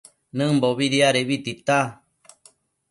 Nëmbobi diadebi tita